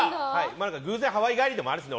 偶然ハワイ帰りでもあるしね